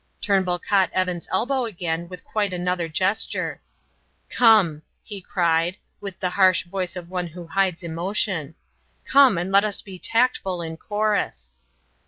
Turnbull caught Evan's elbow again with quite another gesture. "Come," he cried, with the harsh voice of one who hides emotion, "come and let us be tactful in chorus."